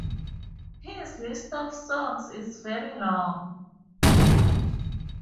His list of songs is very long.